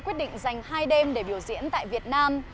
quyết định dành hai đêm để biểu diễn tại việt nam